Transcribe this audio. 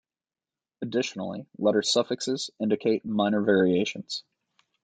Additionally, letter suffixes indicate minor variations.